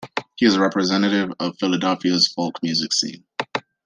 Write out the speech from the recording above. He is a representative of Philadelphia's folk music scene.